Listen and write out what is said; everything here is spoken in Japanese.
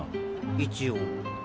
一応。